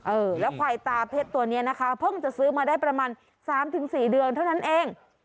เออแล้วควายตาเพชรตัวนี้นะคะเพิ่งจะซื้อมาได้ประมาณ๓๔เดือนเท่านั้นเอง